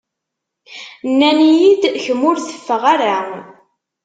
Nnan-iyi-d kemm ur teffeɣ ara.